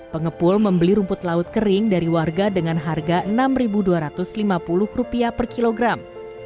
pengepul membeli rumput laut kering dari warga dengan harga rp enam dua ratus lima puluh per kilogram